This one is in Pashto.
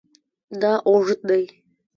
دا اوږد دی